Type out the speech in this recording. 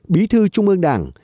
bí thư trung ương đảng